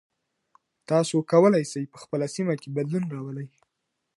تاسو کولای سئ په خپله سیمه کې بدلون راولئ.